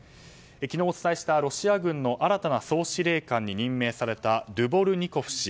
昨日お伝えしたロシア軍の新たな総司令官に任命されたドゥボルニコフ氏。